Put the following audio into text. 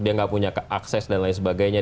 dia nggak punya akses dan lain sebagainya